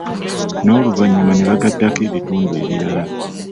N’oluvanyuma ne bagattako ebitundu ebirala.